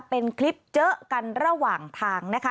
เป็นคลิปเจอกันระหว่างทางนะคะ